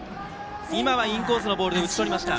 今はインコースのボールで打ち取りました。